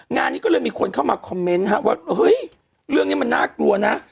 งานนี้ก็เลยมีคนเข้ามาคอมเมนต์ว่าเฮ้ยเรื่องนี้มันน่ากลัวนะ